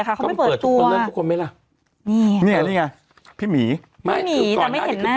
อะคะเขาไม่เปิดตัวทุกคนเลิกทุกคนไหมล่ะนี่นี่นี่ไงพี่หมีไม่ไม่เห็นหน้า